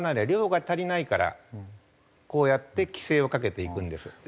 量が足りないからこうやって規制をかけていくんです。